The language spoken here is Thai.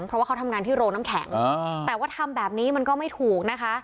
เพราะว่าเขาทำงานที่โรงน้ำแข็งแต่ว่าทำแบบนี้มันก็ไม่ถูกนะคะ